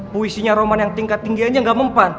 puisinya roman yang tingkat tinggi aja gak mempan